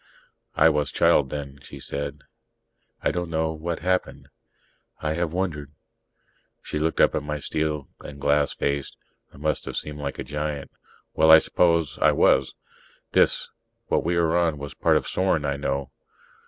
"I was child then," she said, "I don't know what happened. I have wondered." She looked up at my steel and glass face; I must have seemed like a giant. Well, I suppose I was. "This what we are on was part of Sorn, I know.